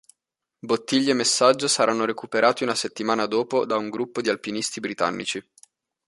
Bottiglia e messaggio saranno recuperati una settimana dopo da un gruppo di alpinisti britannici.